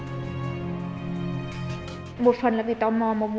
một phần là vì tò mò một phần là sự hấp dẫn trong nội dung tin nhắn đấy